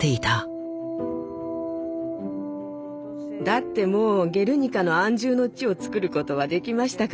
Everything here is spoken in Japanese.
だってもう「ゲルニカ」の安住の地をつくることはできましたから。